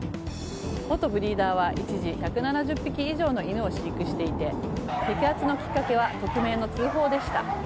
元ブリーダーは一時１７０匹以上の犬を飼育していて摘発のきっかけは匿名の通報でした。